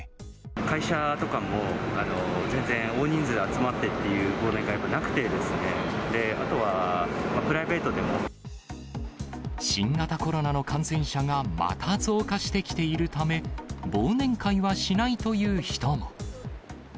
会社とかも、全然、大人数集まってっていう忘年会なくてですね、あとはプライベート新型コロナの感染者がまた増加してきているため、忘年会はしないという人も。